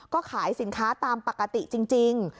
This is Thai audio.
ก็ขายสินค้าตามปกติจริง